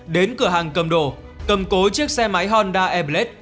đến cửa hàng cầm đồ cầm cố chiếc xe máy honda e blade